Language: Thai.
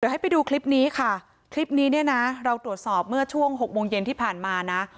ให้ไปดูคลิปนี้ค่ะคลิปนี้เนี่ยนะเราตรวจสอบเมื่อช่วง๖โมงเย็นที่ผ่านมานะ